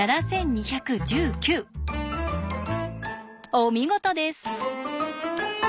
お見事です！